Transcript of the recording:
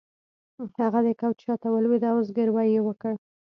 هغه د کوچ شاته ولویده او زګیروی یې وکړ